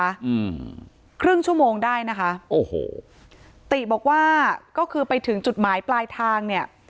อืมครึ่งชั่วโมงได้นะคะโอ้โหติบอกว่าก็คือไปถึงจุดหมายปลายทางเนี้ย